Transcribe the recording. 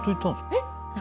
えっ。